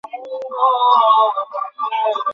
অন্ধের মত বিনা প্রতিবাদে উহাদের নির্দেশ আমরা পালন করি।